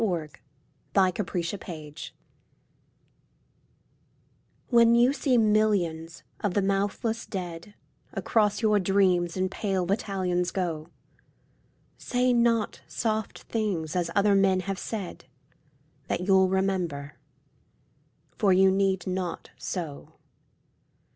XCI The Army of Death WHEN you see millions of the mouthless dead Across your dreams in pale battalions go, Say not soft things as other men have said, That you'll remember. For you need not so.